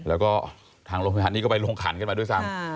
แล้วก็ทางโรงพยาบาลนี้ก็ไปลงขันขึ้นมาด้วยซ้ำ